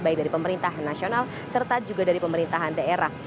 baik dari pemerintah nasional serta juga dari pemerintahan daerah